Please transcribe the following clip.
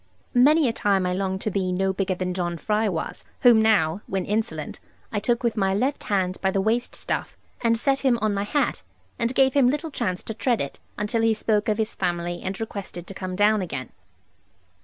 Many a time I longed to be no bigger than John Fry was; whom now (when insolent) I took with my left hand by the waist stuff, and set him on my hat, and gave him little chance to tread it; until he spoke of his family, and requested to come down again.